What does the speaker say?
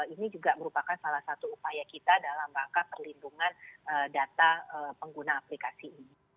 ini juga merupakan salah satu upaya kita dalam rangka perlindungan data pengguna aplikasi ini